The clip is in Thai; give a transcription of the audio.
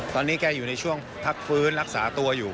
ตอนนี้แกอยู่ในช่วงพักฟื้นรักษาตัวอยู่